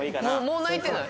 もう泣いてない？